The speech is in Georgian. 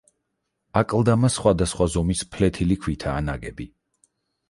აკლდამა სხვადასხვა ზომის ფლეთილი ქვითაა ნაგები.